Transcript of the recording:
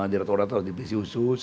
direktor atau divisi usus